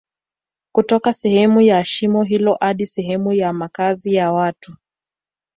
kutoka sehemu ya shimo hilo hadi sehemu ya makazi ya watu